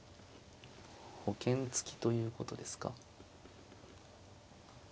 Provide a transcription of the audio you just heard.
保険付きということですか。